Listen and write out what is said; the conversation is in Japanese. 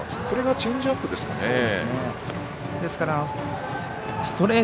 これがチェンジアップですかね。